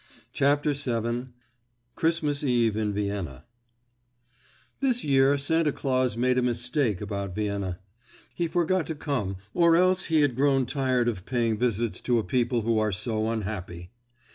CHAPTER VII—CHRISTMAS EVE IN VIENNA This year Santa Claus made a mistake about Vienna; he forgot to come or else he had grown tired of paying visits to a people who are so unhappy.